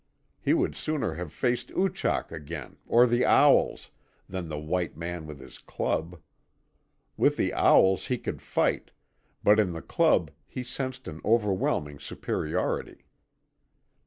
He would sooner have faced Oochak again, or the owls, than the white man with his club. With the owls he could fight, but in the club he sensed an overwhelming superiority.